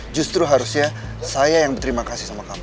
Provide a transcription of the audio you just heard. justru harusnya saya yang berterima kasih sama kamu